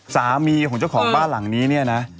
สามีของเจ้าของบ้านหลังนี้เนี่ยนะ